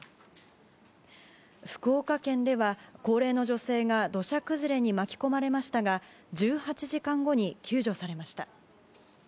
福岡県では高齢の女性が土砂崩れに巻き込まれましたが１８時間後に救助されました。